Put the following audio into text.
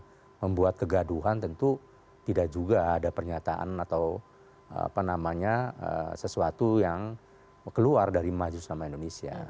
dan membuat kegaduhan tentu tidak juga ada pernyataan atau apa namanya sesuatu yang keluar dari majelis selama indonesia